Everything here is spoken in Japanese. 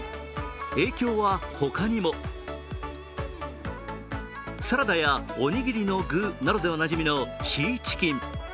影響は他にもサラダやおにぎりの具などでおなじみのシーチキン。